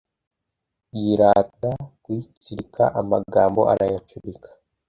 Yirata kuyitsirika Amagambo arayacurika